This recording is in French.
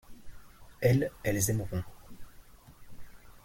Elles, elles aimeront.